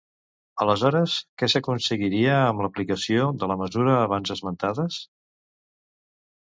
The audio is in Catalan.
Aleshores, què s'aconseguiria amb l'aplicació de la mesura abans esmentades?